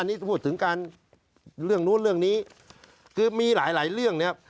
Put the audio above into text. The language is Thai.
อันนี้พูดถึงการเรื่องนู้นเรื่องนี้คือมีหลายหลายเรื่องนะครับ